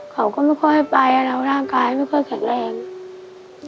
เขาก็ไม่ค่อยให้ไปเราร่างกายไม่ค่อยแข็งแรง